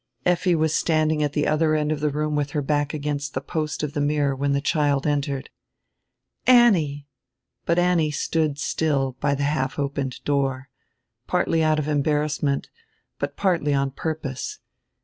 Effi was standing at die other end of die room with her back against die post of die mirror when die child entered. "Annie!" But Annie stood still by die half opened door, partly out of embarrassment, but partly on purpose.